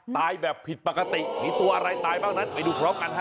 ตายแบบผิดปกติมีตัวอะไรตายบ้างนั้นไปดูพร้อมกันฮะ